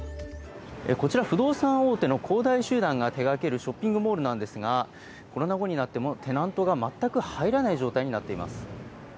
こちら、不動産大手の恒大集団が手がけるショッピングモールですがコロナ後になってもテナントが全く入らない状態になっています。